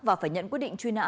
và phải nhận quyết định truy nã